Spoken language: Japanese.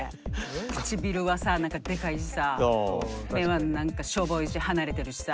唇はさ何かデカいしさ目は何かしょぼいし離れてるしさ。